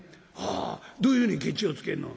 「ああ。どういうふうにケチをつけんの？」。